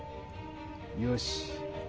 よし。